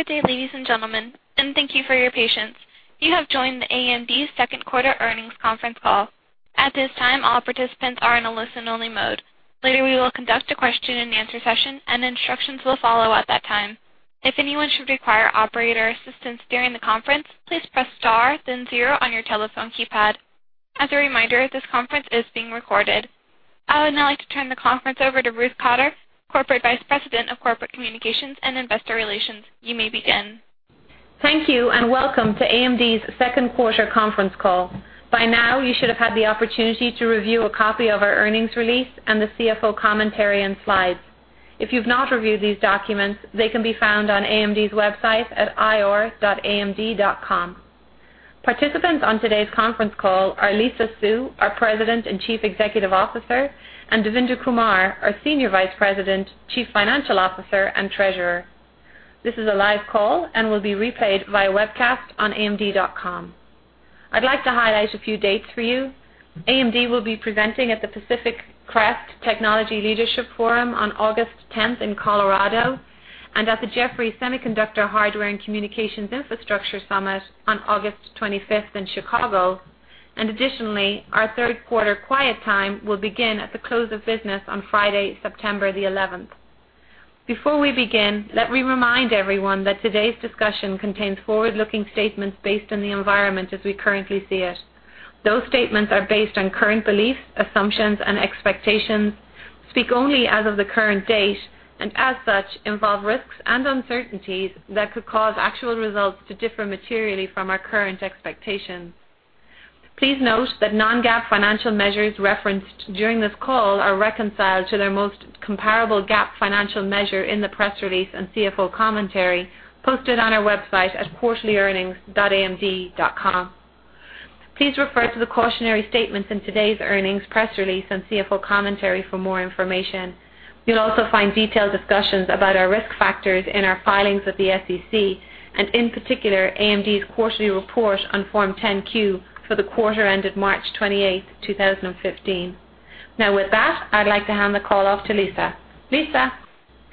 Good day, ladies and gentlemen. Thank you for your patience. You have joined the AMD second quarter earnings conference call. At this time, all participants are in a listen-only mode. Later, we will conduct a question and answer session. Instructions will follow at that time. If anyone should require operator assistance during the conference, please press star then zero on your telephone keypad. As a reminder, this conference is being recorded. I would now like to turn the conference over to Ruth Cotter, Corporate Vice President of Corporate Communications and Investor Relations. You may begin. Thank you. Welcome to AMD's second quarter conference call. By now, you should have had the opportunity to review a copy of our earnings release and the CFO commentary and slides. If you've not reviewed these documents, they can be found on AMD's website at ir.amd.com. Participants on today's conference call are Lisa Su, our President and Chief Executive Officer, and Devinder Kumar, our Senior Vice President, Chief Financial Officer, and Treasurer. This is a live call and will be replayed via webcast on amd.com. I'd like to highlight a few dates for you. AMD will be presenting at the Pacific Crest Technology Leadership Forum on August 10th in Colorado. At the Jefferies Semiconductor, Hardware and Communications Infrastructure Summit on August 25th in Chicago. Additionally, our third quarter quiet time will begin at the close of business on Friday, September the 11th. Before we begin, let me remind everyone that today's discussion contains forward-looking statements based on the environment as we currently see it. Those statements are based on current beliefs, assumptions, and expectations, speak only as of the current date. As such, involve risks and uncertainties that could cause actual results to differ materially from our current expectations. Please note that non-GAAP financial measures referenced during this call are reconciled to their most comparable GAAP financial measure in the press release and CFO commentary posted on our website at quarterlyearnings.amd.com. Please refer to the cautionary statements in today's earnings press release and CFO commentary for more information. You'll also find detailed discussions about our risk factors in our filings with the SEC. In particular, AMD's quarterly report on Form 10-Q for the quarter ended March 28th, 2015. With that, I'd like to hand the call off to Lisa. Lisa?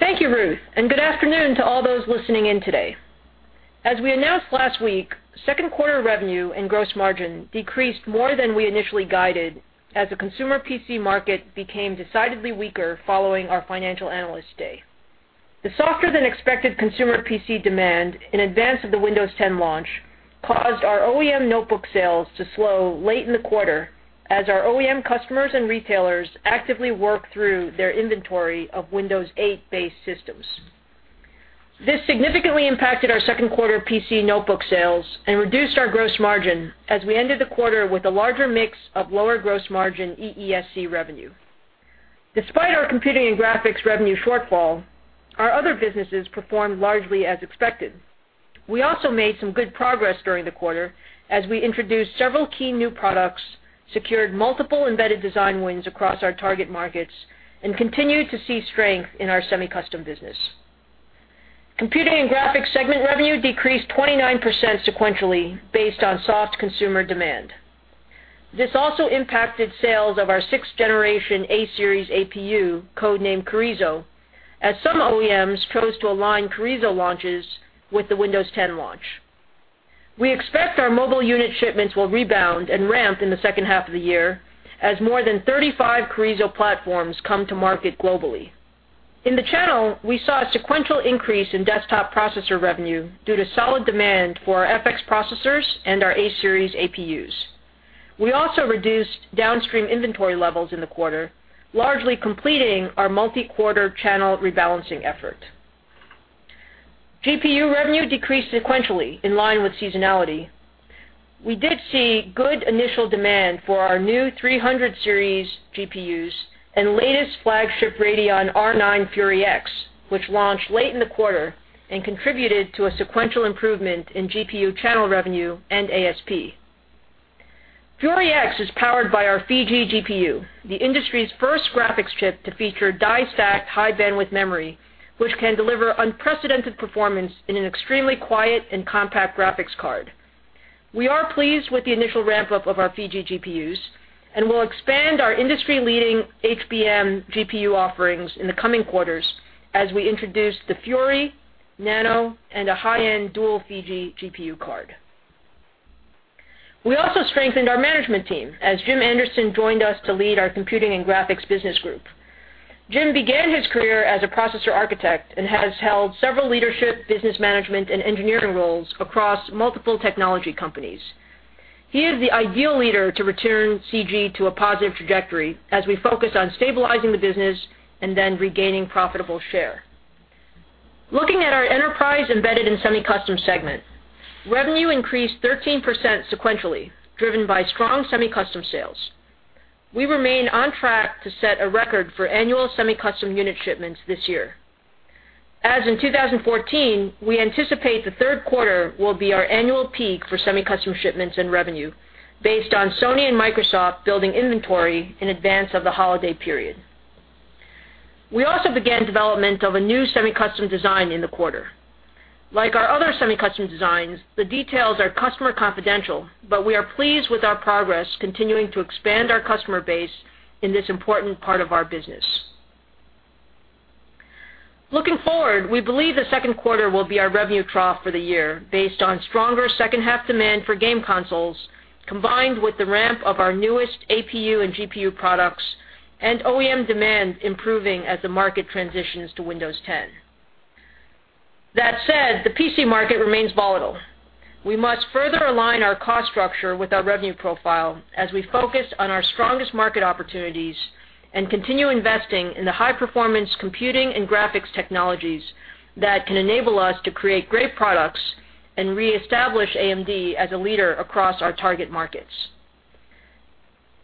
Thank you, Ruth. Good afternoon to all those listening in today. As we announced last week, second quarter revenue and gross margin decreased more than we initially guided as the consumer PC market became decidedly weaker following our financial analyst day. The softer than expected consumer PC demand in advance of the Windows 10 launch caused our OEM notebook sales to slow late in the quarter as our OEM customers and retailers actively work through their inventory of Windows 8-based systems. This significantly impacted our second quarter PC notebook sales and reduced our gross margin as we ended the quarter with a larger mix of lower gross margin EESC revenue. Despite our computing and graphics revenue shortfall, our other businesses performed largely as expected. We also made some good progress during the quarter as we introduced several key new products, secured multiple embedded design wins across our target markets, and continued to see strength in our semi-custom business. Computing and graphics segment revenue decreased 29% sequentially based on soft consumer demand. This also impacted sales of our 6th generation A-Series APU, code-named Carrizo, as some OEMs chose to align Carrizo launches with the Windows 10 launch. We expect our mobile unit shipments will rebound and ramp in the second half of the year as more than 35 Carrizo platforms come to market globally. In the channel, we saw a sequential increase in desktop processor revenue due to solid demand for our FX processors and our A-Series APUs. We also reduced downstream inventory levels in the quarter, largely completing our multi-quarter channel rebalancing effort. GPU revenue decreased sequentially in line with seasonality. We did see good initial demand for our new 300 series GPUs and latest flagship Radeon R9 Fury X, which launched late in the quarter and contributed to a sequential improvement in GPU channel revenue and ASP. Fury X is powered by our Fiji GPU, the industry's first graphics chip to feature die-stacked high-bandwidth memory, which can deliver unprecedented performance in an extremely quiet and compact graphics card. We are pleased with the initial ramp-up of our Fiji GPUs and will expand our industry-leading HBM GPU offerings in the coming quarters as we introduce the Fury, Nano, and a high-end dual Fiji GPU card. We also strengthened our management team as Jim Anderson joined us to lead our Computing and Graphics Business Group. Jim began his career as a processor architect and has held several leadership, business management, and engineering roles across multiple technology companies. He is the ideal leader to return CG to a positive trajectory as we focus on stabilizing the business and then regaining profitable share. Looking at our enterprise embedded and semi-custom segment, revenue increased 13% sequentially, driven by strong semi-custom sales. We remain on track to set a record for annual semi-custom unit shipments this year. As in 2014, we anticipate the third quarter will be our annual peak for semi-custom shipments and revenue based on Sony and Microsoft building inventory in advance of the holiday period. We also began development of a new semi-custom design in the quarter. Like our other semi-custom designs, the details are customer confidential, but we are pleased with our progress continuing to expand our customer base in this important part of our business. Looking forward, we believe the second quarter will be our revenue trough for the year based on stronger second half demand for game consoles, combined with the ramp of our newest APU and GPU products and OEM demand improving as the market transitions to Windows 10. That said, the PC market remains volatile. We must further align our cost structure with our revenue profile as we focus on our strongest market opportunities and continue investing in the high-performance computing and graphics technologies that can enable us to create great products and reestablish AMD as a leader across our target markets.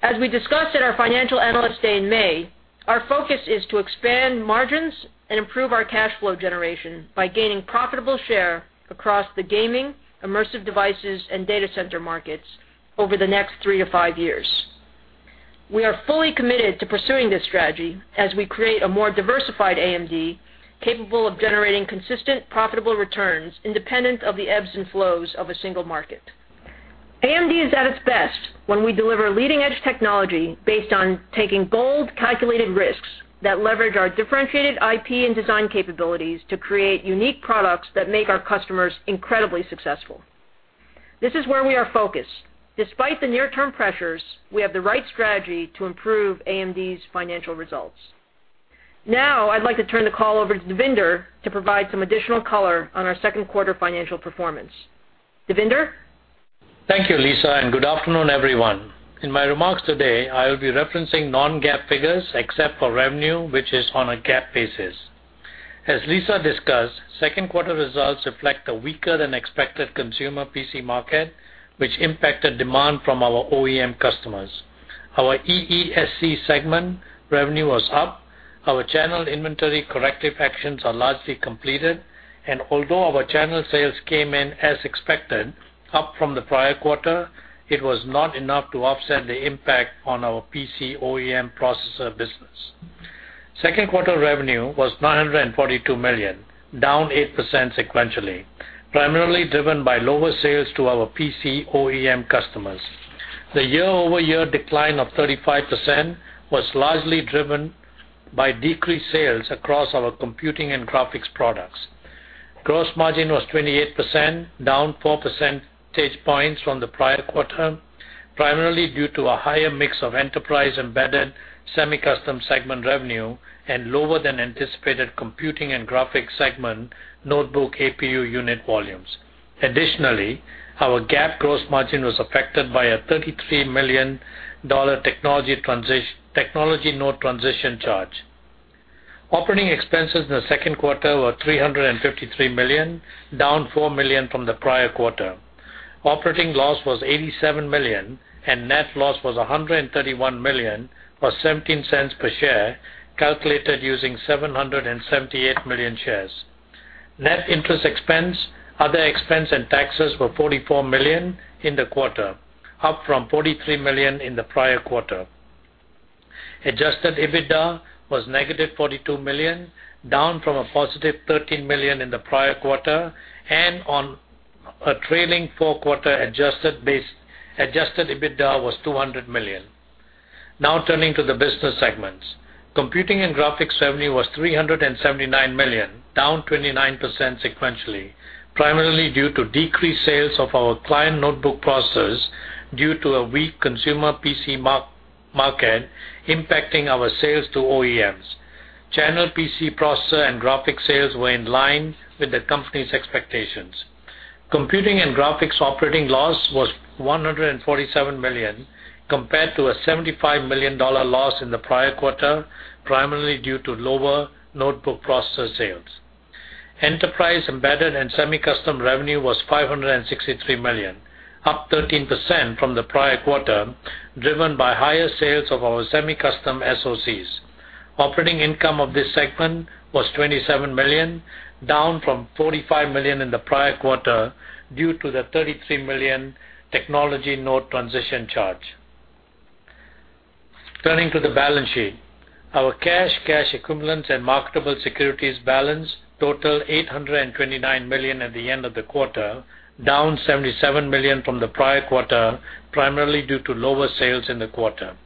As we discussed at our financial analyst day in May, our focus is to expand margins and improve our cash flow generation by gaining profitable share across the gaming, immersive devices, and data center markets over the next three to five years. We are fully committed to pursuing this strategy as we create a more diversified AMD capable of generating consistent, profitable returns independent of the ebbs and flows of a single market. AMD is at its best when we deliver leading-edge technology based on taking bold, calculated risks that leverage our differentiated IP and design capabilities to create unique products that make our customers incredibly successful. This is where we are focused. Despite the near-term pressures, we have the right strategy to improve AMD's financial results. Now, I'd like to turn the call over to Devinder to provide some additional color on our second quarter financial performance. Devinder? Thank you, Lisa, good afternoon, everyone. In my remarks today, I will be referencing non-GAAP figures except for revenue, which is on a GAAP basis. As Lisa discussed, second quarter results reflect a weaker-than-expected consumer PC market, which impacted demand from our OEM customers. Our EESC segment revenue was up. Our channel inventory corrective actions are largely completed, and although our channel sales came in as expected, up from the prior quarter, it was not enough to offset the impact on our PC OEM processor business. Second quarter revenue was $942 million, down 8% sequentially, primarily driven by lower sales to our PC OEM customers. The year-over-year decline of 35% was largely driven by decreased sales across our Computing and Graphics products. Gross margin was 28%, down four percentage points from the prior quarter, primarily due to a higher mix of Enterprise, Embedded, and Semi-Custom segment revenue and lower than anticipated Computing and Graphics segment notebook APU unit volumes. Additionally, our GAAP gross margin was affected by a $33 million technology node transition charge. Operating expenses in the second quarter were $353 million, down $4 million from the prior quarter. Operating loss was $87 million, and net loss was $131 million or $0.17 per share, calculated using 778 million shares. Net interest expense, other expense, and taxes were $44 million in the quarter, up from $43 million in the prior quarter. Adjusted EBITDA was negative $42 million, down from a positive $13 million in the prior quarter, and on a trailing four-quarter adjusted basis, adjusted EBITDA was $200 million. Turning to the business segments. Computing and Graphics revenue was $379 million, down 29% sequentially, primarily due to decreased sales of our client notebook processors due to a weak consumer PC market impacting our sales to OEMs. Channel PC processor and graphic sales were in line with the company's expectations. Computing and Graphics operating loss was $147 million, compared to a $75 million loss in the prior quarter, primarily due to lower notebook processor sales. Enterprise, Embedded, and Semi-Custom revenue was $563 million, up 13% from the prior quarter, driven by higher sales of our semi-custom SoCs. Operating income of this segment was $27 million, down from $45 million in the prior quarter due to the $33 million technology node transition charge. Turning to the balance sheet. Our cash equivalents, and marketable securities balance total $829 million at the end of the quarter, down $77 million from the prior quarter, primarily due to lower sales in the quarter.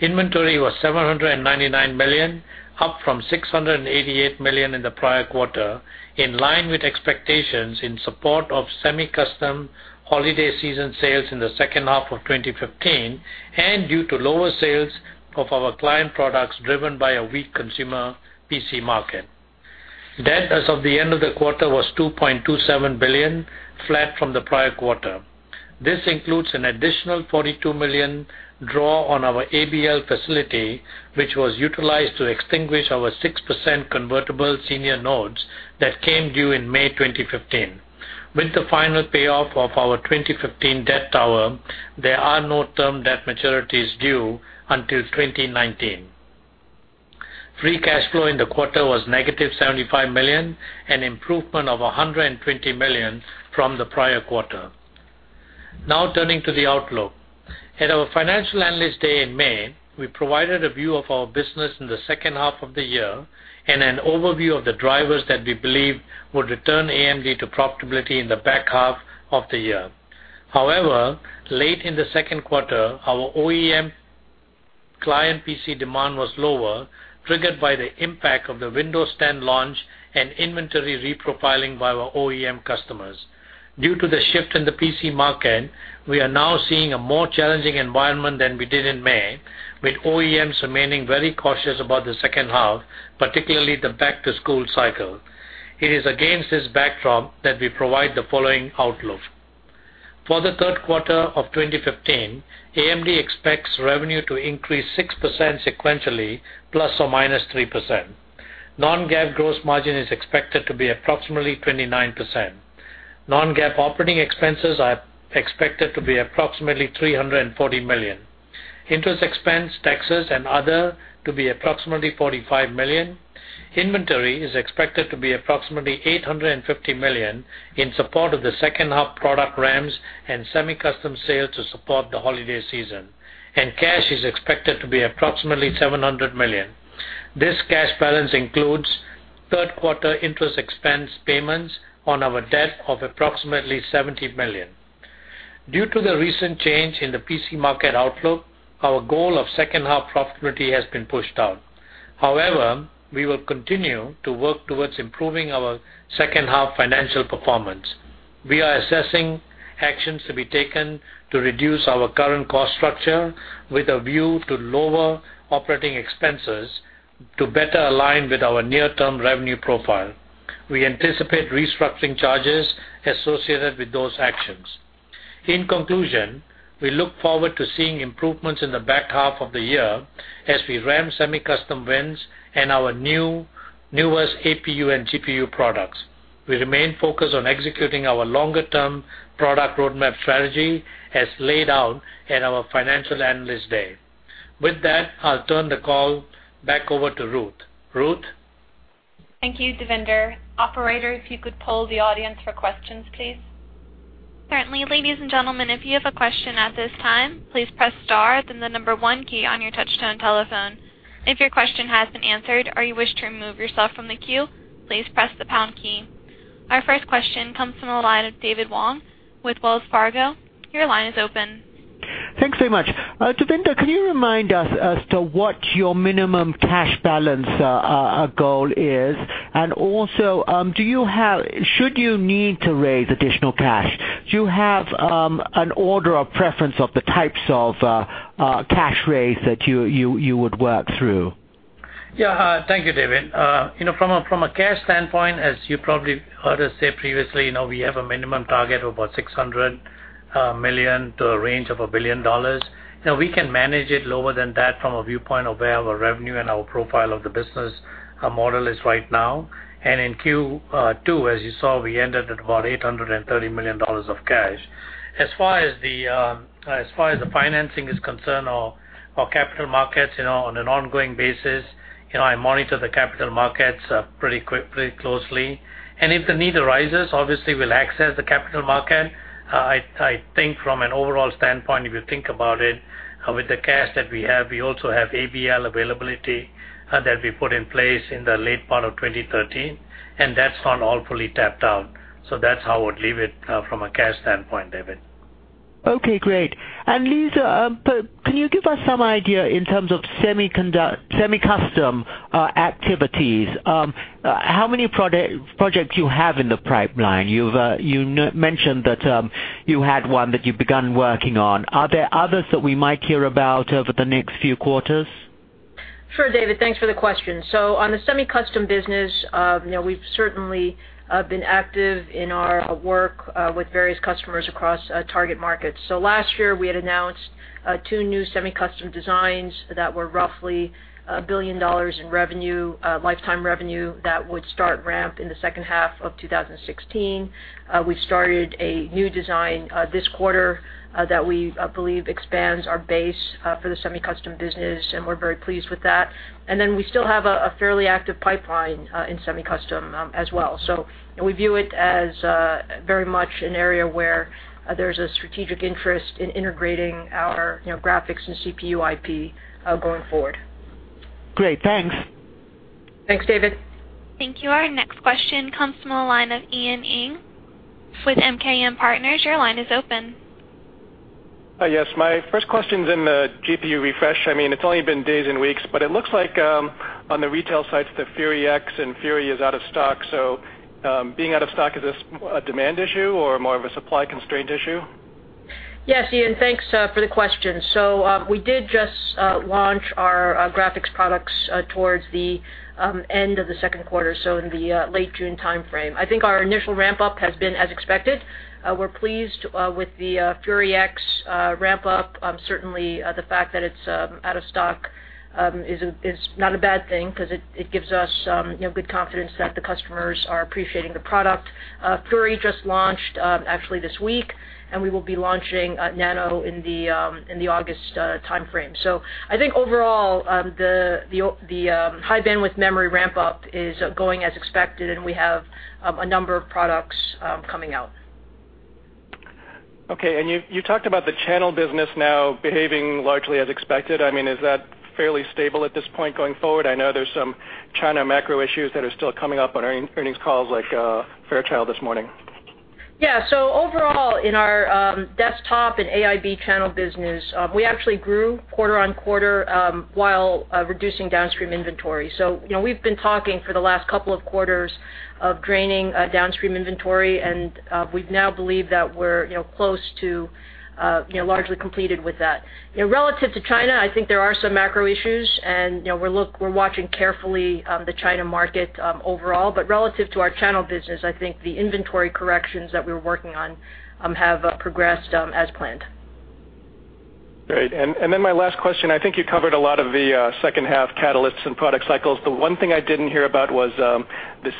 Inventory was $799 million, up from $688 million in the prior quarter, in line with expectations in support of semi-custom holiday season sales in the second half of 2015 and due to lower sales of our client products driven by a weak consumer PC market. Debt as of the end of the quarter was $2.27 billion, flat from the prior quarter. This includes an additional $42 million draw on our ABL facility, which was utilized to extinguish our 6% convertible senior notes that came due in May 2015. With the final payoff of our 2015 debt tower, there are no term debt maturities due until 2019. Free cash flow in the quarter was negative $75 million, an improvement of $120 million from the prior quarter. Turning to the outlook. At our Financial Analyst Day in May, we provided a view of our business in the second half of the year and an overview of the drivers that we believe would return AMD to profitability in the back half of the year. Late in the second quarter, our OEM client PC demand was lower, triggered by the impact of the Windows 10 launch and inventory reprofiling by our OEM customers. Due to the shift in the PC market, we are now seeing a more challenging environment than we did in May, with OEMs remaining very cautious about the second half, particularly the back-to-school cycle. It is against this backdrop that we provide the following outlook. For the third quarter of 2015, AMD expects revenue to increase 6% sequentially, ±3%. Non-GAAP gross margin is expected to be approximately 29%. Non-GAAP operating expenses are expected to be approximately $340 million. Interest expense, taxes, and other to be approximately $45 million. Inventory is expected to be approximately $850 million in support of the second half product ramps and semi-custom sales to support the holiday season, and cash is expected to be approximately $700 million. This cash balance includes third quarter interest expense payments on our debt of approximately $70 million. Due to the recent change in the PC market outlook, our goal of second half profitability has been pushed out. We will continue to work towards improving our second half financial performance. We are assessing actions to be taken to reduce our current cost structure with a view to lower operating expenses to better align with our near-term revenue profile. We anticipate restructuring charges associated with those actions. In conclusion, we look forward to seeing improvements in the back half of the year as we ramp semi-custom wins and our newest APU and GPU products. We remain focused on executing our longer-term product roadmap strategy as laid out at our Financial Analyst Day. I'll turn the call back over to Ruth. Ruth? Thank you, Devinder. Operator, if you could poll the audience for questions, please. Certainly. Ladies and gentlemen, if you have a question at this time, please press star then the number one key on your touchtone telephone. If your question has been answered or you wish to remove yourself from the queue, please press the pound key. Our first question comes from the line of David Wong with Wells Fargo. Your line is open. Thanks so much. Devinder, can you remind us as to what your minimum cash balance goal is? Also, should you need to raise additional cash, do you have an order of preference of the types of cash raise that you would work through? Yeah. Thank you, David. From a cash standpoint, as you probably heard us say previously, we have a minimum target of about $600 million to a range of $1 billion. We can manage it lower than that from a viewpoint of where our revenue and our profile of the business model is right now. In Q2, as you saw, we ended at about $830 million of cash. As far as the financing is concerned, or capital markets, on an ongoing basis, I monitor the capital markets pretty closely, if the need arises, obviously we'll access the capital market. I think from an overall standpoint, if you think about it, with the cash that we have, we also have ABL availability that we put in place in the late part of 2013, that's not all fully tapped out. That's how I would leave it from a cash standpoint, David. Okay, great. Lisa, can you give us some idea in terms of semi-custom activities, how many projects you have in the pipeline? You mentioned that you had one that you've begun working on. Are there others that we might hear about over the next few quarters? Sure, David. Thanks for the question. On the semi-custom business, we've certainly been active in our work with various customers across target markets. Last year, we had announced two new semi-custom designs that were roughly $1 billion in lifetime revenue that would start ramp in the second half of 2016. We started a new design this quarter that we believe expands our base for the semi-custom business, and we're very pleased with that. We still have a fairly active pipeline in semi-custom as well. We view it as very much an area where there's a strategic interest in integrating our graphics and CPU IP going forward. Great. Thanks. Thanks, David. Thank you. Our next question comes from the line of Ian Ing with MKM Partners. Your line is open. Yes. My first question is in the GPU refresh. It's only been days and weeks, but it looks like on the retail side, the Fury X and Fury is out of stock. Being out of stock, is this a demand issue or more of a supply constraint issue? Yes, Ian, thanks for the question. We did just launch our graphics products towards the end of the second quarter, in the late June timeframe. I think our initial ramp-up has been as expected. We're pleased with the Fury X ramp-up. Certainly, the fact that it's out of stock is not a bad thing because it gives us good confidence that the customers are appreciating the product. Fury just launched actually this week, and we will be launching Nano in the August timeframe. I think overall, the high bandwidth memory ramp-up is going as expected, and we have a number of products coming out. Okay. You talked about the channel business now behaving largely as expected. Is that fairly stable at this point going forward? I know there's some China macro issues that are still coming up on earnings calls like Fairchild Semiconductor this morning. Yeah. Overall, in our desktop and AIB channel business, we actually grew quarter-on-quarter, while reducing downstream inventory. We've been talking for the last couple of quarters of draining downstream inventory, and we now believe that we're close to largely completed with that. Relative to China, I think there are some macro issues, and we're watching carefully the China market overall. Relative to our channel business, I think the inventory corrections that we were working on have progressed as planned. Great. My last question, I think you covered a lot of the second-half catalysts and product cycles. The one thing I didn't hear about was the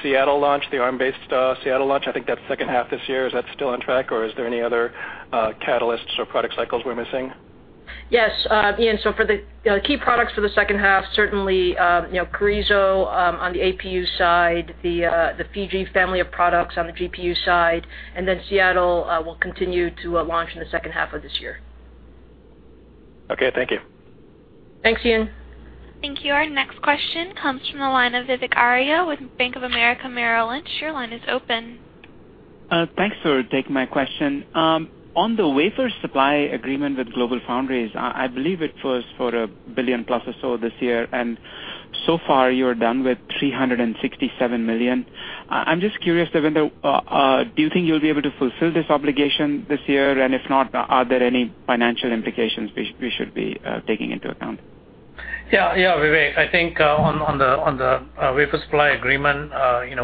Seattle launch, the ARM-based Seattle launch. I think that's second-half this year. Is that still on track, or are there any other catalysts or product cycles we're missing? Yes. Ian, for the key products for the second-half, certainly, Carrizo on the APU side, the Fiji family of products on the GPU side, Seattle will continue to launch in the second-half of this year. Okay, thank you. Thanks, Ian. Thank you. Our next question comes from the line of Vivek Arya with Bank of America Merrill Lynch. Your line is open. Thanks for taking my question. On the wafer supply agreement with GlobalFoundries, I believe it was for a $1 billion-plus or so this year, and so far you're done with $367 million. I'm just curious, Devinder, do you think you'll be able to fulfill this obligation this year? If not, are there any financial implications we should be taking into account? Yeah, Vivek. I think on the wafer supply agreement,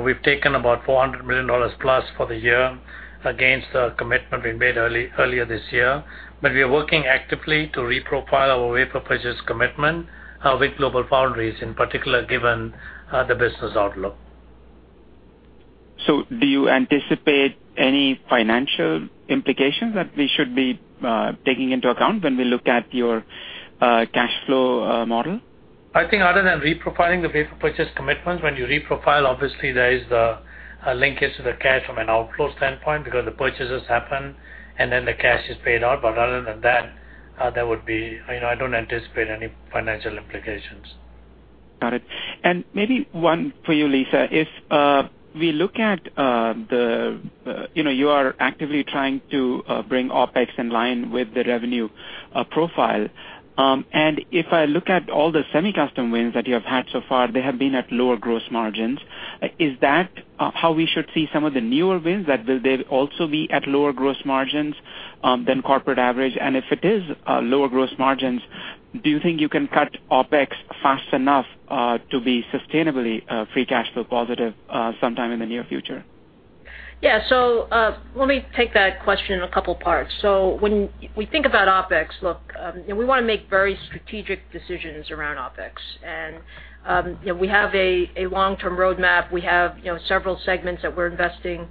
we've taken about $400 million-plus for the year against the commitment we made earlier this year. We are working actively to reprofile our wafer purchase commitment with GlobalFoundries, in particular, given the business outlook. Do you anticipate any financial implications that we should be taking into account when we look at your cash flow model? I think other than reprofiling the wafer purchase commitments, when you reprofile, obviously there is the linkage to the cash from an outflow standpoint because the purchases happen and then the cash is paid out. Other than that, I don't anticipate any financial implications. Got it. Maybe one for you, Lisa. You are actively trying to bring OpEx in line with the revenue profile. If I look at all the semi-custom wins that you have had so far, they have been at lower gross margins. Is that how we should see some of the newer wins, that they'll also be at lower gross margins than corporate average? If it is lower gross margins, do you think you can cut OpEx fast enough to be sustainably free cash flow positive sometime in the near future? Let me take that question in a couple parts. When we think about OpEx, look, we want to make very strategic decisions around OpEx. We have a long-term roadmap. We have several segments that we're investing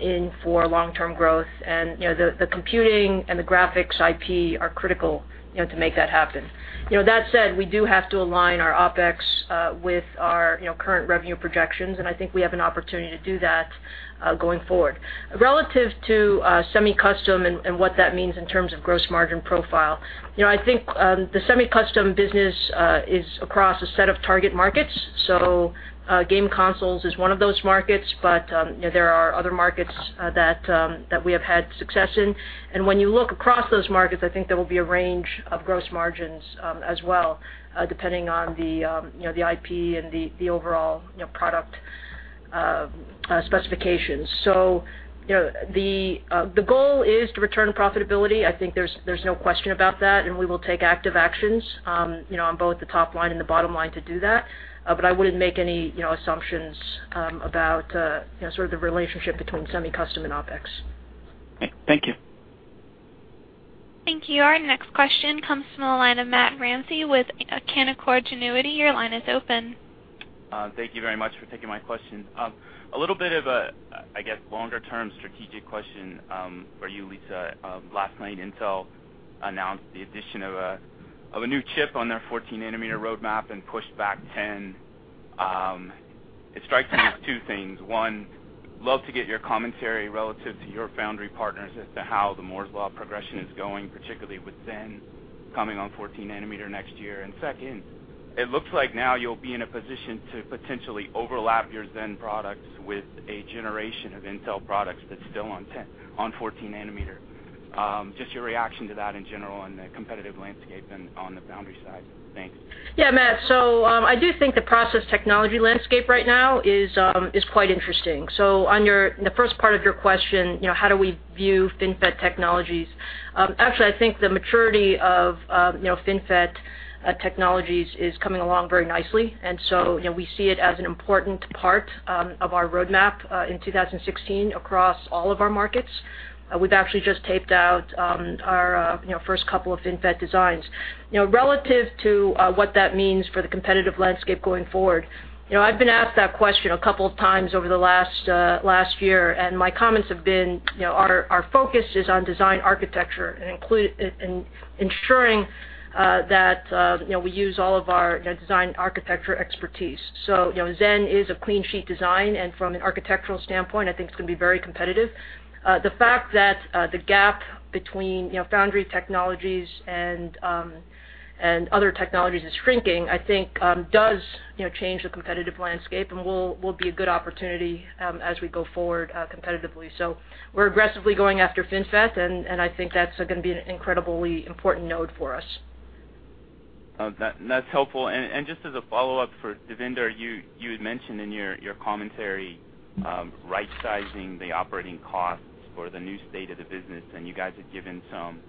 in for long-term growth. The computing and the graphics IP are critical to make that happen. That said, we do have to align our OpEx with our current revenue projections, and I think we have an opportunity to do that going forward. Relative to semi-custom and what that means in terms of gross margin profile, I think the semi-custom business is across a set of target markets. Game consoles is one of those markets, but there are other markets that we have had success in. When you look across those markets, I think there will be a range of gross margins as well, depending on the IP and the overall product specifications. The goal is to return profitability. I think there's no question about that, and we will take active actions on both the top line and the bottom line to do that, but I wouldn't make any assumptions about sort of the relationship between semi-custom and OpEx. Okay. Thank you. Thank you. Our next question comes from the line of Matt Ramsay with Canaccord Genuity. Your line is open. Thank you very much for taking my question. A little bit of a, I guess, longer-term strategic question for you, Lisa. Last night, Intel announced the addition of a new chip on their 14-nanometer roadmap and pushed back 10. It strikes me as two things. One, love to get your commentary relative to your foundry partners as to how the Moore's Law progression is going, particularly with Zen coming on 14 nanometer next year. Second, it looks like now you'll be in a position to potentially overlap your Zen products with a generation of Intel products that's still on 14 nanometer. Just your reaction to that in general on the competitive landscape and on the foundry side. Thanks. Yeah, Matt. I do think the process technology landscape right now is quite interesting. On the first part of your question, how do we view FinFET technologies? Actually, I think the maturity of FinFET technologies is coming along very nicely, we see it as an important part of our roadmap in 2016 across all of our markets. We've actually just taped out our first couple of FinFET designs. Relative to what that means for the competitive landscape going forward, I've been asked that question a couple of times over the last year, and my comments have been, our focus is on design architecture and ensuring that we use all of our design architecture expertise. Zen is a clean sheet design, and from an architectural standpoint, I think it's going to be very competitive. The fact that the gap between foundry technologies and other technologies is shrinking, I think does change the competitive landscape and will be a good opportunity as we go forward competitively. We're aggressively going after FinFET, and I think that's going to be an incredibly important node for us. That's helpful. Just as a follow-up for Devinder, you had mentioned in your commentary, right-sizing the operating costs for the new state of the business, and you guys had given some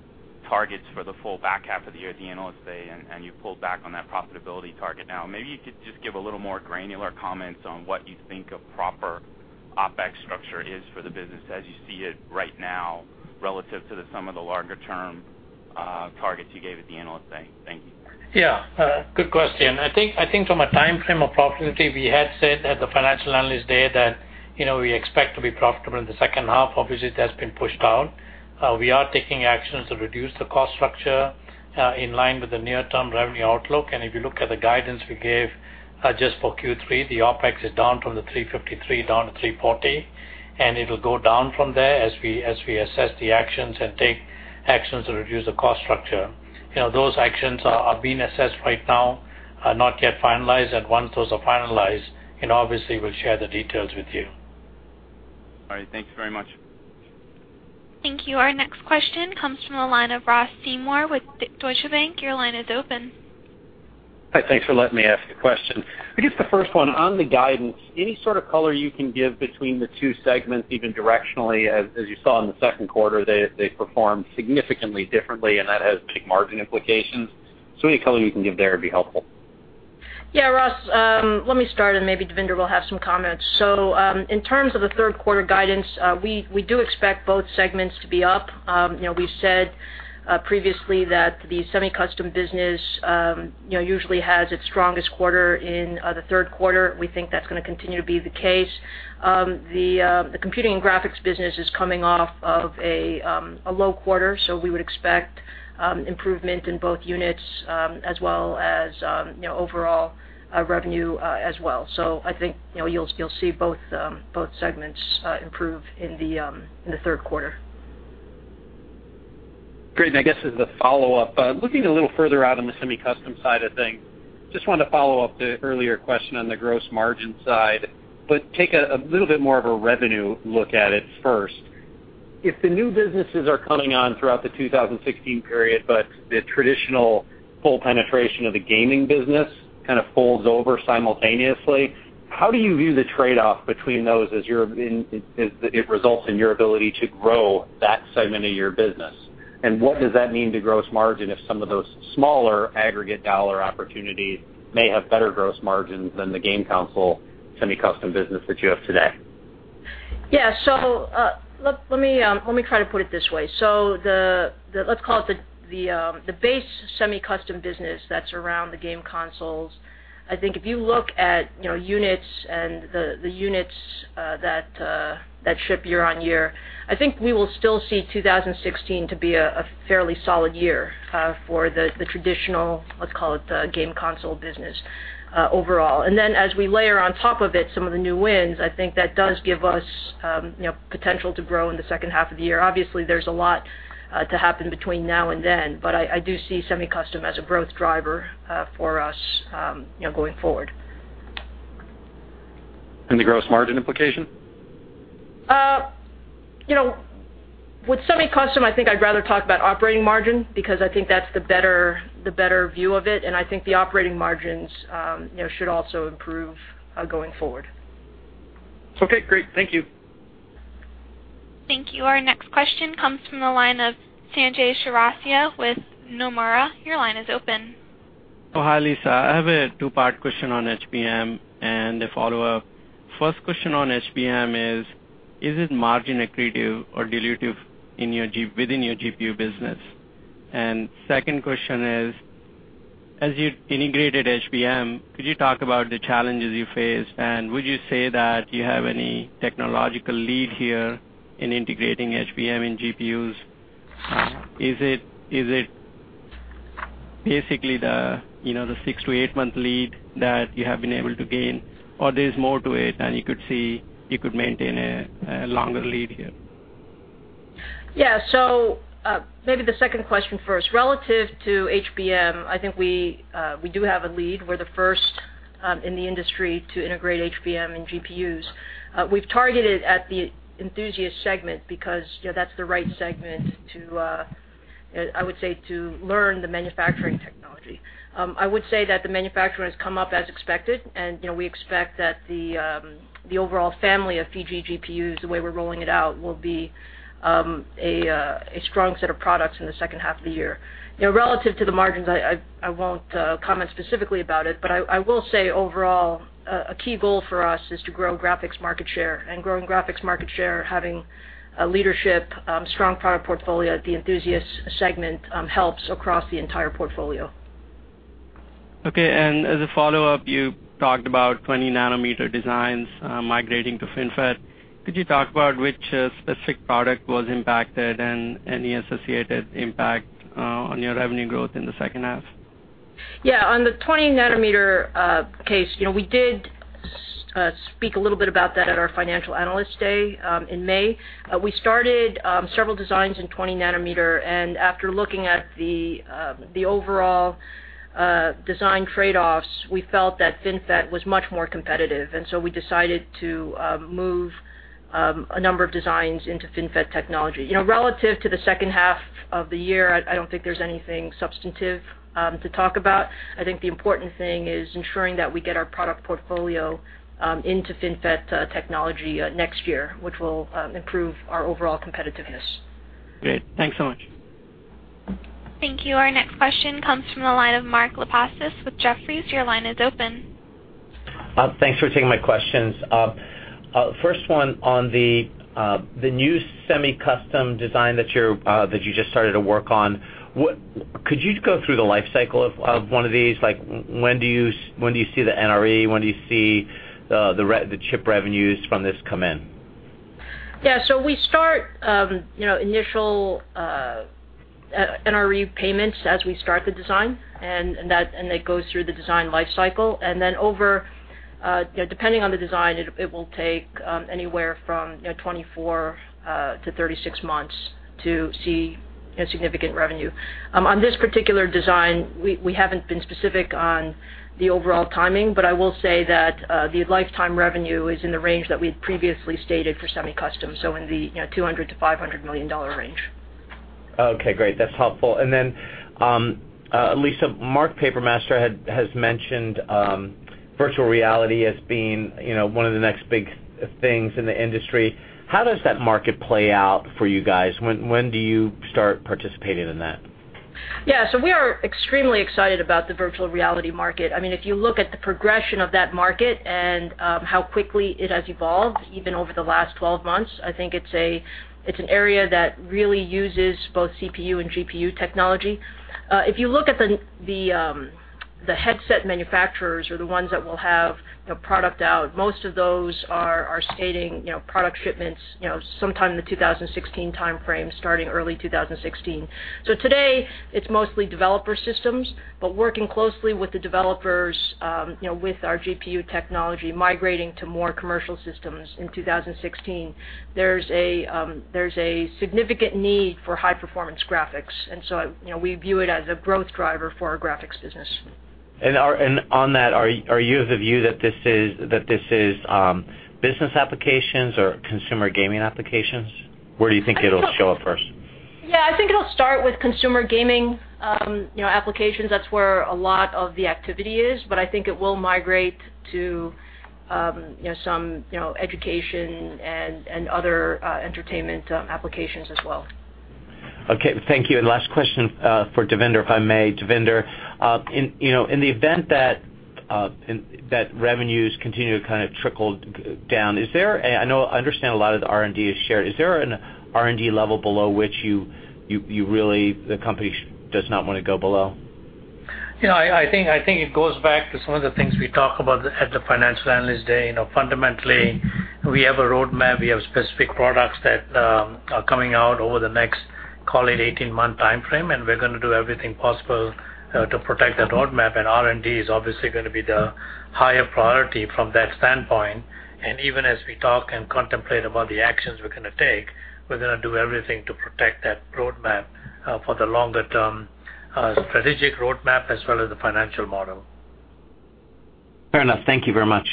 targets for the full back half of the year at the Analyst Day, and you pulled back on that profitability target. Maybe you could just give a little more granular comments on what you think a proper OpEx structure is for the business as you see it right now, relative to the sum of the larger term targets you gave at the Analyst Day. Thank you. Yeah. Good question. I think from a timeframe of profitability, we had said at the Financial Analyst Day that we expect to be profitable in the second half. Obviously, that's been pushed out. We are taking actions to reduce the cost structure in line with the near-term revenue outlook. If you look at the guidance we gave just for Q3, the OpEx is down from the $353 down to $340, and it'll go down from there as we assess the actions and take actions to reduce the cost structure. Those actions are being assessed right now, are not yet finalized, and once those are finalized, obviously we'll share the details with you. All right. Thank you very much. Thank you. Our next question comes from the line of Ross Seymore with Deutsche Bank. Your line is open. Hi, thanks for letting me ask a question. I guess the first one, on the guidance, any sort of color you can give between the two segments, even directionally, as you saw in the second quarter, they performed significantly differently, and that has big margin implications. Any color you can give there would be helpful. Yeah, Ross, let me start and maybe Devinder will have some comments. In terms of the third quarter guidance, we do expect both segments to be up. We said previously that the Semi-Custom Business usually has its strongest quarter in the third quarter. We think that's going to continue to be the case. The Computing and Graphics Business is coming off of a low quarter, so we would expect improvement in both units as well as overall revenue as well. I think you'll still see both segments improve in the third quarter. Great. I guess as a follow-up, looking a little further out on the Semi-Custom side of things, just wanted to follow up the earlier question on the gross margin side, but take a little bit more of a revenue look at it first. If the new businesses are coming on throughout the 2016 period, but the traditional full penetration of the gaming business kind of folds over simultaneously, how do you view the trade-off between those as it results in your ability to grow that segment of your business? What does that mean to gross margin if some of those smaller aggregate dollar opportunities may have better gross margins than the game console Semi-Custom Business that you have today? Yeah. Let me try to put it this way. Let's call it the base Semi-Custom Business that's around the game consoles. I think if you look at units and the units that ship year-on-year, I think we will still see 2016 to be a fairly solid year for the traditional, let's call it the game console business overall. Then as we layer on top of it some of the new wins, I think that does give us potential to grow in the second half of the year. Obviously, there's a lot to happen between now and then, but I do see Semi-Custom as a growth driver for us going forward. The gross margin implication? With semi-custom, I think I'd rather talk about operating margin because I think that's the better view of it, and I think the operating margins should also improve going forward. Okay, great. Thank you. Thank you. Our next question comes from the line of Sanjay Chaurasia with Nomura. Your line is open. Hi, Lisa. I have a two-part question on HBM and a follow-up. First question on HBM is it margin accretive or dilutive within your GPU business? Second question is, as you integrated HBM, could you talk about the challenges you faced, and would you say that you have any technological lead here in integrating HBM in GPUs? Is it basically the six to eight-month lead that you have been able to gain, or there's more to it and you could maintain a longer lead here? Yeah. Maybe the second question first. Relative to HBM, I think we do have a lead. We're the first in the industry to integrate HBM in GPUs. We've targeted at the enthusiast segment because that's the right segment, I would say, to learn the manufacturing technology. I would say that the manufacturing has come up as expected, and we expect that the overall family of Fiji GPUs, the way we're rolling it out, will be a strong set of products in the second half of the year. Relative to the margins, I won't comment specifically about it, but I will say overall, a key goal for us is to grow graphics market share, and growing graphics market share, having a leadership, strong product portfolio at the enthusiast segment helps across the entire portfolio. Okay. As a follow-up, you talked about 20-nanometer designs migrating to FinFET. Could you talk about which specific product was impacted and any associated impact on your revenue growth in the second half? Yeah. On the 20-nanometer case, we did speak a little bit about that at our Financial Analyst Day in May. We started several designs in 20-nanometer, and after looking at the overall design trade-offs, we felt that FinFET was much more competitive. We decided to move a number of designs into FinFET technology. Relative to the second half of the year, I don't think there's anything substantive to talk about. I think the important thing is ensuring that we get our product portfolio into FinFET technology next year, which will improve our overall competitiveness. Great. Thanks so much. Thank you. Our next question comes from the line of Mark Lipacis with Jefferies. Your line is open. Thanks for taking my questions. First one on the new semi-custom design that you just started to work on. Could you go through the life cycle of one of these? When do you see the NRE? When do you see the chip revenues from this come in? Yeah. We start initial NRE payments as we start the design, and that goes through the design life cycle. Depending on the design, it will take anywhere from 24-36 months to see a significant revenue. On this particular design, we haven't been specific on the overall timing, but I will say that the lifetime revenue is in the range that we had previously stated for semi-custom, so in the $200 million-$500 million range. Okay, great. That's helpful. Lisa, Mark Papermaster has mentioned virtual reality as being one of the next big things in the industry. How does that market play out for you guys? When do you start participating in that? Yeah. We are extremely excited about the virtual reality market. If you look at the progression of that market and how quickly it has evolved, even over the last 12 months, I think it's an area that really uses both CPU and GPU technology. If you look at the headset manufacturers or the ones that will have product out, most of those are stating product shipments sometime in the 2016 timeframe, starting early 2016. Today, it's mostly developer systems, but working closely with the developers with our GPU technology migrating to more commercial systems in 2016, there's a significant need for high-performance graphics, we view it as a growth driver for our graphics business. On that, are you of the view that this is business applications or consumer gaming applications? Where do you think it'll show up first? Yeah, I think it'll start with consumer gaming applications. That's where a lot of the activity is, I think it will migrate to some education and other entertainment applications as well. Okay. Thank you. Last question for Devinder, if I may. Devinder, in the event that revenues continue to kind of trickle down, I understand a lot of the R&D is shared. Is there an R&D level below which the company does not want to go below? Yeah, I think it goes back to some of the things we talked about at the Financial Analyst Day. Fundamentally, we have a roadmap. We have specific products that are coming out over the next, call it 18-month timeframe, and we're going to do everything possible to protect that roadmap, and R&D is obviously going to be the higher priority from that standpoint. Even as we talk and contemplate about the actions we're going to take, we're going to do everything to protect that roadmap for the longer-term strategic roadmap as well as the financial model. Fair enough. Thank you very much.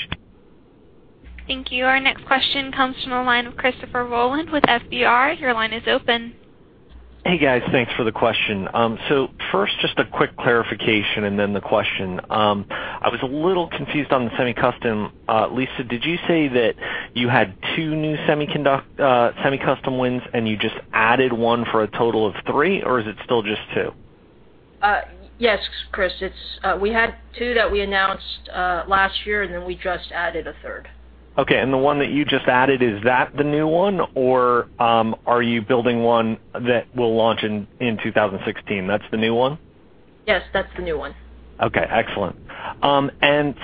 Thank you. Our next question comes from the line of Christopher Rolland with FBR. Your line is open. Hey, guys. Thanks for the question. First, just a quick clarification and then the question. I was a little confused on the semi-custom. Lisa, did you say that you had two new semi-custom wins and you just added one for a total of three, or is it still just two? Yes, Chris. We had two that we announced last year, then we just added a third. Okay. The one that you just added, is that the new one, or are you building one that will launch in 2016? That's the new one? Yes, that's the new one. Okay. Excellent.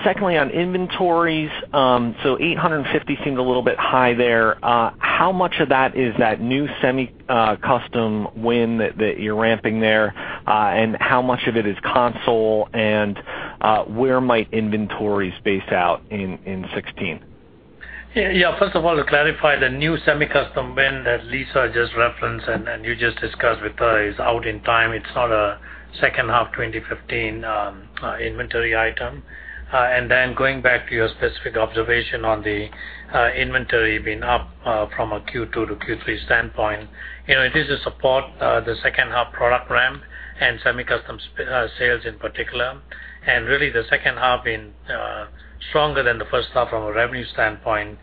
Secondly, on inventories, $850 seemed a little bit high there. How much of that is that new semi-custom win that you're ramping there, and how much of it is console, and where might inventories base out in 2016? Yeah. First of all, to clarify, the new semi-custom win that Lisa just referenced and you just discussed with her is out in time. It's not a second half 2015 inventory item. Then going back to your specific observation on the inventory being up from a Q2 to Q3 standpoint, it is to support the second half product ramp and semi-custom sales in particular. Really, the second half being stronger than the first half from a revenue standpoint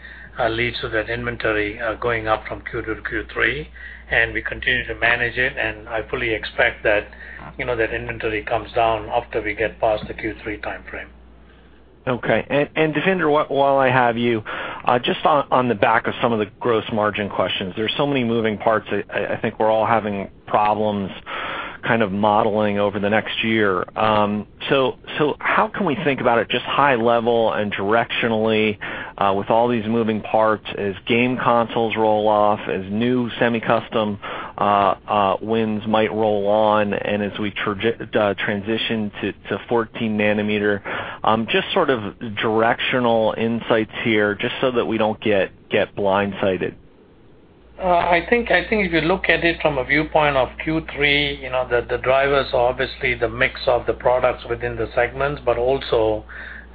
leads to that inventory going up from Q2 to Q3, and we continue to manage it, and I fully expect that inventory comes down after we get past the Q3 timeframe. Okay. Devinder, while I have you, just on the back of some of the gross margin questions, there's so many moving parts I think we're all having problems modeling over the next year. How can we think about it, just high level and directionally with all these moving parts as game consoles roll off, as new semi-custom wins might roll on, and as we transition to 14 nanometer, just sort of directional insights here, just so that we don't get blindsided. I think if you look at it from a viewpoint of Q3, the drivers are obviously the mix of the products within the segments, but also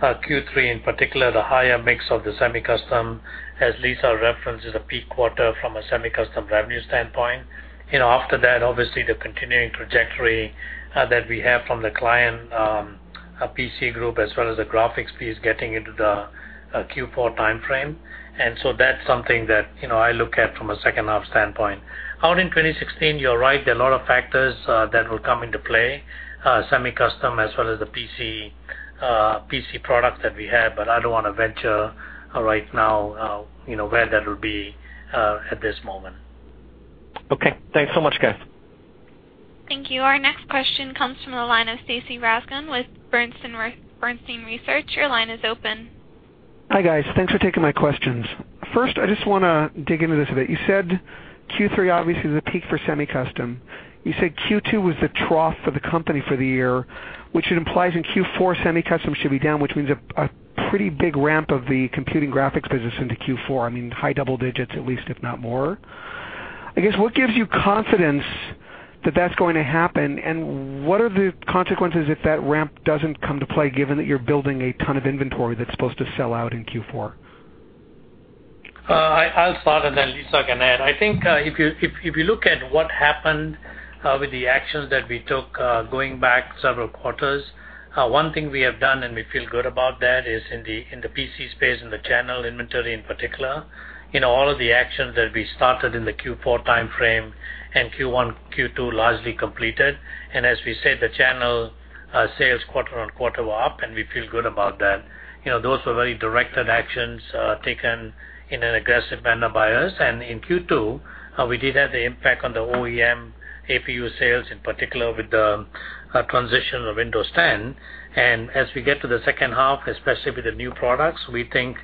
Q3 in particular, the higher mix of the semi-custom, as Lisa referenced, is a peak quarter from a semi-custom revenue standpoint. After that, obviously, the continuing trajectory that we have from the client PC group as well as the graphics piece getting into the Q4 timeframe. That's something that I look at from a second half standpoint. Out in 2016, you're right, there are a lot of factors that will come into play, semi-custom as well as the PC product that we have, but I don't want to venture right now where that will be at this moment. Okay. Thanks so much, guys. Thank you. Our next question comes from the line of Stacy Rasgon with Bernstein Research. Your line is open. Hi, guys. Thanks for taking my questions. First, I just want to dig into this a bit. You said Q3 obviously is a peak for semi-custom. You said Q2 was the trough for the company for the year, which it implies in Q4, semi-custom should be down, which means a pretty big ramp of the computing graphics business into Q4, I mean, high double digits at least, if not more. I guess, what gives you confidence that that's going to happen, and what are the consequences if that ramp doesn't come to play, given that you're building a ton of inventory that's supposed to sell out in Q4? I'll start, then Lisa can add. I think if you look at what happened with the actions that we took going back several quarters, one thing we have done, and we feel good about that, is in the PC space, in the channel inventory in particular, all of the actions that we started in the Q4 timeframe and Q1, Q2 largely completed. As we said, the channel sales quarter-on-quarter were up, and we feel good about that. Those were very directed actions taken in an aggressive manner by us. In Q2, we did have the impact on the OEM APU sales, in particular with the transition of Windows 10. As we get to the second half, especially with the new products, we think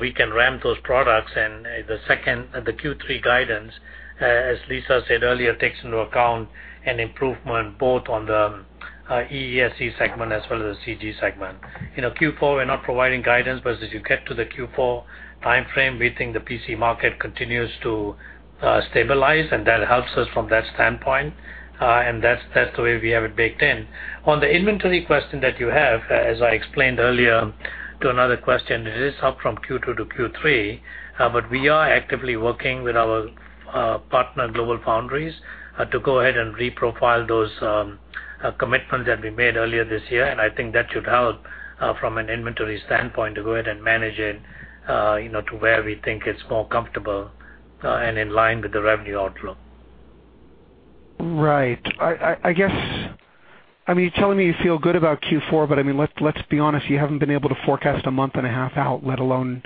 we can ramp those products and the Q3 guidance, as Lisa said earlier, takes into account an improvement both on the EESC segment as well as the CG segment. Q4, we're not providing guidance, as you get to the Q4 timeframe, we think the PC market continues to stabilize, and that helps us from that standpoint. That's the way we have it baked in. On the inventory question that you have, as I explained earlier to another question, it is up from Q2 to Q3, but we are actively working with our partner, GlobalFoundries, to go ahead and re-profile those commitments that we made earlier this year. I think that should help from an inventory standpoint to go ahead and manage it to where we think it's more comfortable and in line with the revenue outlook. Right. I guess, you're telling me you feel good about Q4, but I mean, let's be honest, you haven't been able to forecast a month and a half out, let alone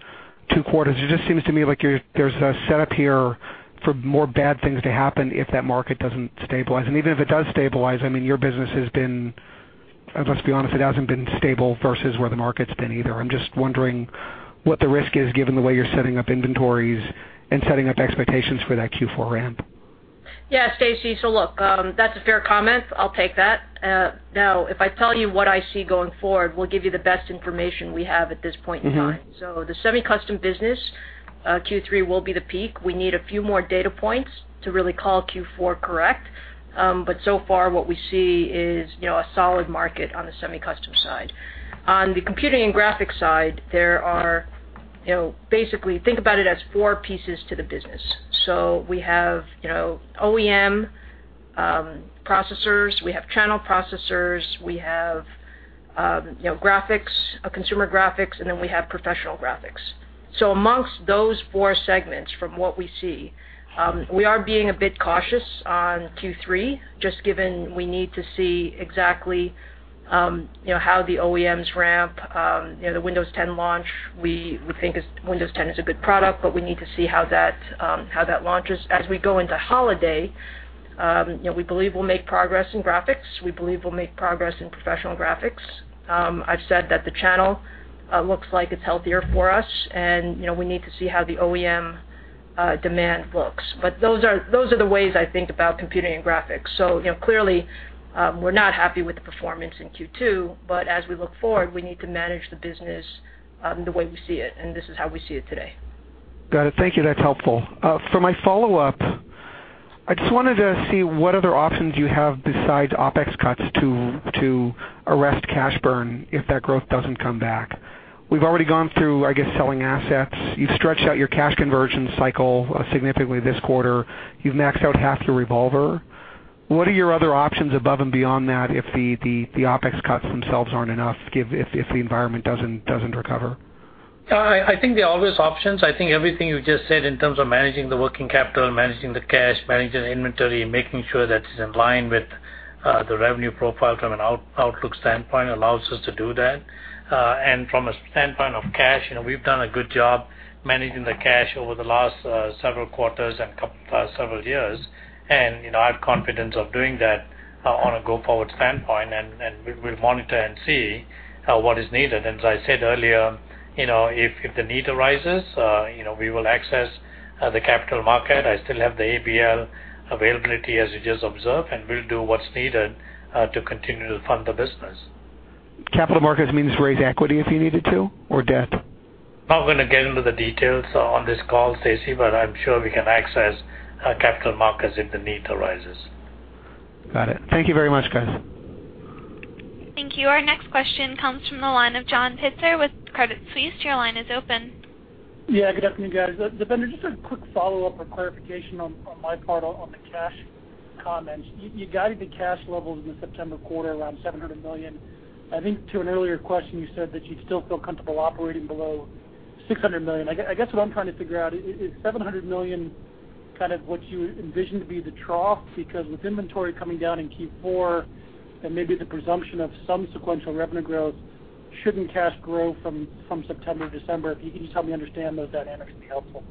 two quarters. It just seems to me like there's a setup here for more bad things to happen if that market doesn't stabilize. Even if it does stabilize, I mean, your business has been, let's be honest, it hasn't been stable versus where the market's been either. I'm just wondering what the risk is given the way you're setting up inventories and setting up expectations for that Q4 ramp. Yeah, Stacy. Look, that's a fair comment. I'll take that. If I tell you what I see going forward, we'll give you the best information we have at this point in time. The semi-custom business, Q3 will be the peak. We need a few more data points to really call Q4 correct. So far what we see is a solid market on the semi-custom side. On the computing and graphics side, basically think about it as four pieces to the business. We have OEM processors, we have channel processors, we have consumer graphics, and then we have professional graphics. Amongst those four segments, from what we see, we are being a bit cautious on Q3, just given we need to see exactly how the OEMs ramp. The Windows 10 launch, we think Windows 10 is a good product, but we need to see how that launches. As we go into holiday, we believe we'll make progress in graphics. We believe we'll make progress in professional graphics. I've said that the channel looks like it's healthier for us, and we need to see how the OEM demand looks. Those are the ways I think about computing and graphics. Clearly, we're not happy with the performance in Q2. As we look forward, we need to manage the business the way we see it, and this is how we see it today. Got it. Thank you. That's helpful. For my follow-up, I just wanted to see what other options you have besides OpEx cuts to arrest cash burn if that growth doesn't come back. We've already gone through, I guess, selling assets. You've stretched out your cash conversion cycle significantly this quarter. You've maxed out half your revolver. What are your other options above and beyond that if the OpEx cuts themselves aren't enough, if the environment doesn't recover? I think they're always options. I think everything you just said in terms of managing the working capital, managing the cash, managing the inventory, making sure that it's in line with the revenue profile from an outlook standpoint allows us to do that. From a standpoint of cash, we've done a good job managing the cash over the last several quarters and several years. I have confidence of doing that on a go-forward standpoint, and we'll monitor and see what is needed. As I said earlier, if the need arises, we will access the capital market. I still have the ABL availability, as you just observed, and we'll do what's needed to continue to fund the business. Capital markets means raise equity if you needed to, or debt? Not going to get into the details on this call, Stacy, I'm sure we can access capital markets if the need arises. Got it. Thank you very much, guys. Thank you. Our next question comes from the line of John Pitzer with Credit Suisse. Your line is open. Yeah, good afternoon, guys. Devinder, just a quick follow-up or clarification on my part on the cash comments. You guided the cash levels in the September quarter around $700 million. I think to an earlier question, you said that you still feel comfortable operating below $600 million. I guess what I'm trying to figure out, is $700 million kind of what you envision to be the trough? With inventory coming down in Q4 and maybe the presumption of some sequential revenue growth, shouldn't cash grow from September to December? If you could just help me understand those dynamics, that'd be helpful.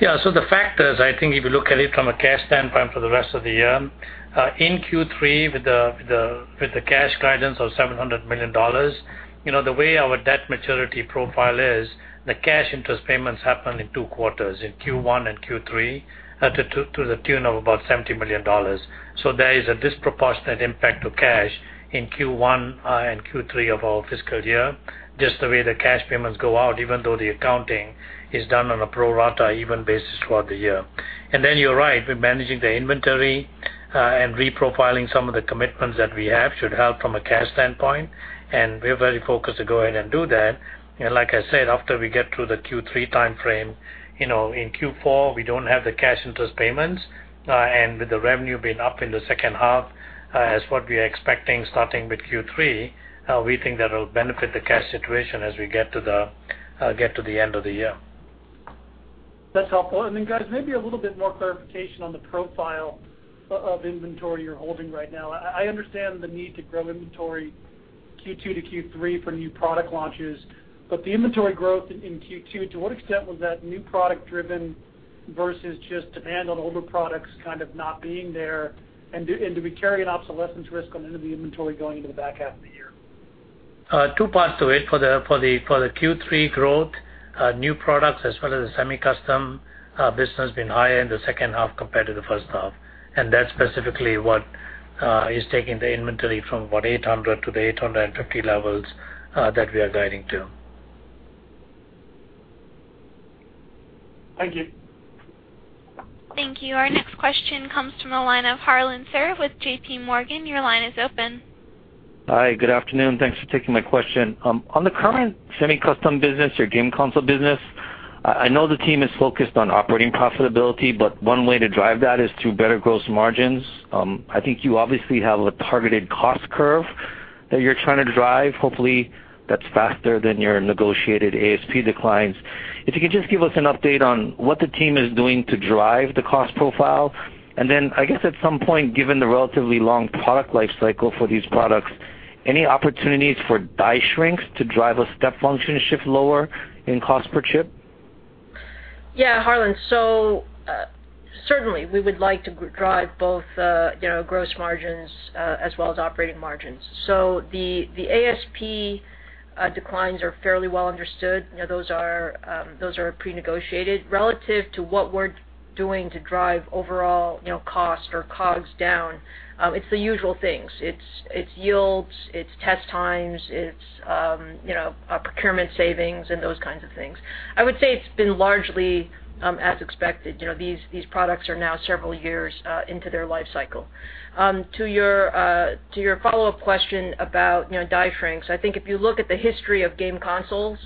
Yeah. The fact is, I think if you look at it from a cash standpoint for the rest of the year, in Q3, with the cash guidance of $700 million, the way our debt maturity profile is, the cash interest payments happen in two quarters, in Q1 and Q3, to the tune of about $70 million. There is a disproportionate impact to cash in Q1 and Q3 of our fiscal year, just the way the cash payments go out, even though the accounting is done on a pro rata even basis throughout the year. You're right. We're managing the inventory and reprofiling some of the commitments that we have, should help from a cash standpoint, and we're very focused to go in and do that. Like I said, after we get through the Q3 timeframe, in Q4, we don't have the cash interest payments. With the revenue being up in the second half as what we are expecting starting with Q3, we think that'll benefit the cash situation as we get to the end of the year. That's helpful. Guys, maybe a little bit more clarification on the profile of inventory you're holding right now. I understand the need to grow inventory Q2 to Q3 for new product launches, but the inventory growth in Q2, to what extent was that new product driven versus just demand on older products kind of not being there? Do we carry an obsolescence risk on any of the inventory going into the back half of the year? Two parts to it. For the Q3 growth, new products as well as the semi-custom business has been higher in the second half compared to the first half. That's specifically what is taking the inventory from, what, $800 to the $850 levels that we are guiding to. Thank you. Thank you. Our next question comes from the line of Harlan Sur with J.P. Morgan. Your line is open. Hi, good afternoon. Thanks for taking my question. On the current semi-custom business, your game console business, I know the team is focused on operating profitability, but one way to drive that is through better gross margins. I think you obviously have a targeted cost curve that you're trying to drive. Hopefully, that's faster than your negotiated ASP declines. If you could just give us an update on what the team is doing to drive the cost profile, and then I guess at some point, given the relatively long product life cycle for these products, any opportunities for die shrinks to drive a step function shift lower in cost per chip? Yeah, Harlan. Certainly, we would like to drive both gross margins as well as operating margins. The ASP declines are fairly well understood. Those are prenegotiated. Relative to what we're doing to drive overall cost or COGS down, it's the usual things. It's yields, it's test times, it's procurement savings and those kinds of things. I would say it's been largely as expected. These products are now several years into their life cycle. To your follow-up question about die shrinks, I think if you look at the history of game consoles,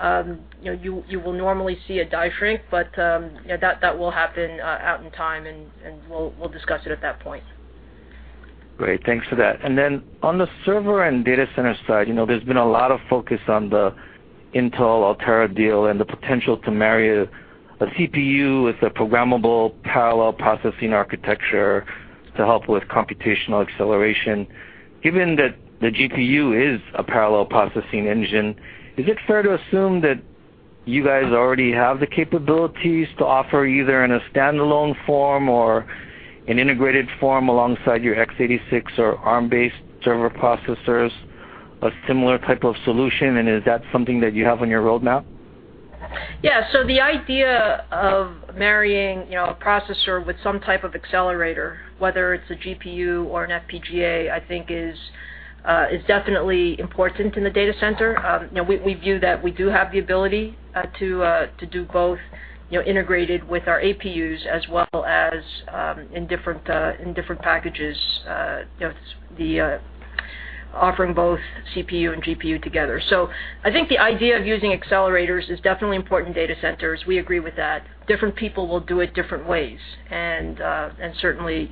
you will normally see a die shrink, but that will happen out in time, and we'll discuss it at that point. Great. Thanks for that. Then on the server and data center side, there's been a lot of focus on the Intel-Altera deal and the potential to marry a CPU with a programmable parallel processing architecture to help with computational acceleration. Given that the GPU is a parallel processing engine, is it fair to assume that you guys already have the capabilities to offer either in a standalone form or an integrated form alongside your x86 or ARM-based server processors, a similar type of solution, and is that something that you have on your roadmap? Yeah. The idea of marrying a processor with some type of accelerator, whether it's a GPU or an FPGA, I think is definitely important in the data center. We view that we do have the ability to do both integrated with our APUs as well as in different packages, offering both CPU and GPU together. I think the idea of using accelerators is definitely important in data centers. We agree with that. Different people will do it different ways. Certainly,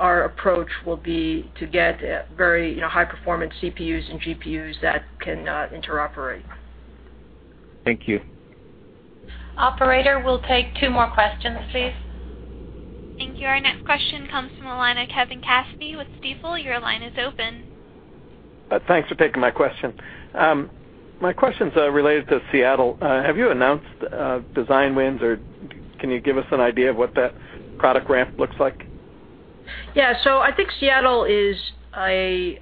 Our approach will be to get very high-performance CPUs and GPUs that can interoperate. Thank you. Operator, we'll take two more questions, please. Thank you. Our next question comes from the line of Kevin Cassidy with Stifel. Your line is open. Thanks for taking my question. My question's related to Seattle. Have you announced design wins, or can you give us an idea of what that product ramp looks like? Yeah. I think Seattle is a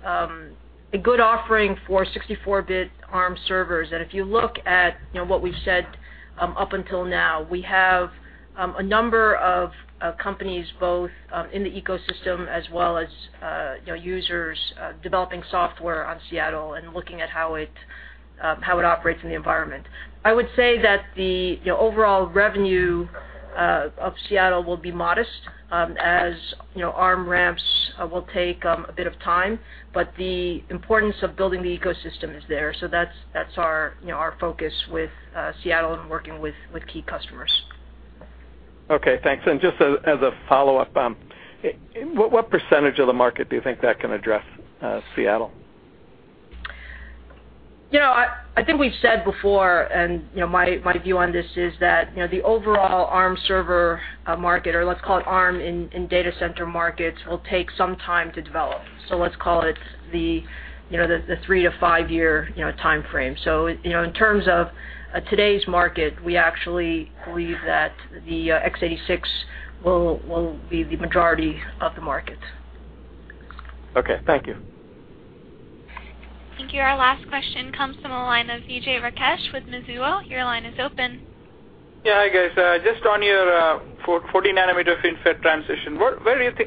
good offering for 64-bit ARM servers. If you look at what we've said up until now, we have a number of companies, both in the ecosystem as well as users, developing software on Seattle and looking at how it operates in the environment. I would say that the overall revenue of Seattle will be modest, as ARM ramps will take a bit of time. The importance of building the ecosystem is there, so that's our focus with Seattle and working with key customers. Okay, thanks. Just as a follow-up, what percentage of the market do you think that can address, Seattle? I think we've said before, and my view on this is that the overall ARM server market, or let's call it ARM in data center markets, will take some time to develop. Let's call it the three to five-year timeframe. In terms of today's market, we actually believe that the x86 will be the majority of the market. Okay, thank you. Thank you. Our last question comes from the line of Vijay Rakesh with Mizuho. Your line is open. Yeah. Hi, guys. Just on your 14 nanometer FinFET transition,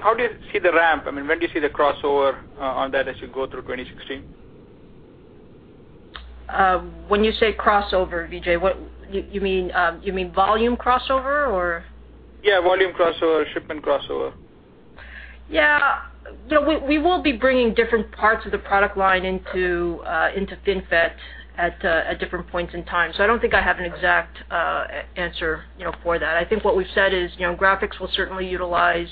how do you see the ramp? When do you see the crossover on that as you go through 2016? When you say crossover, Vijay, you mean volume crossover or? Yeah, volume crossover, shipment crossover. Yeah. We will be bringing different parts of the product line into FinFET at different points in time. I don't think I have an exact answer for that. I think what we've said is graphics will certainly utilize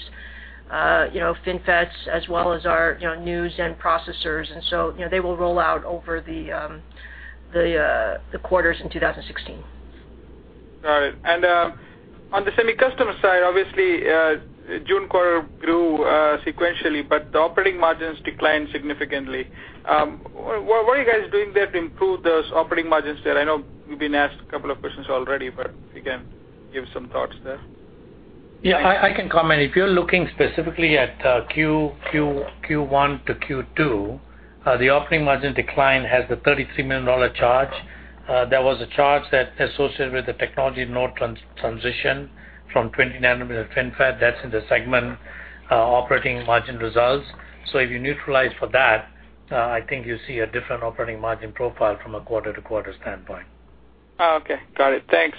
FinFETs as well as our new Zen processors, and so they will roll out over the quarters in 2016. All right. On the semi-custom side, obviously, June quarter grew sequentially, but the operating margins declined significantly. What are you guys doing there to improve those operating margins there? I know you've been asked a couple of questions already, but if you can give some thoughts there. I can comment. If you're looking specifically at Q1 to Q2, the operating margin decline has the $33 million charge. That was a charge that associated with the technology node transition from 20-nanometer to FinFET, that's in the segment operating margin results. If you neutralize for that, I think you see a different operating margin profile from a quarter-to-quarter standpoint. Okay. Got it. Thanks.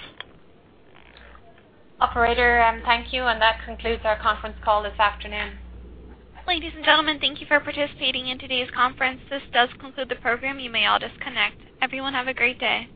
Operator, thank you. That concludes our conference call this afternoon. Ladies and gentlemen, thank you for participating in today's conference. This does conclude the program. You may all disconnect. Everyone have a great day.